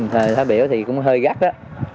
thời thái biểu thì cũng hơi gắt đó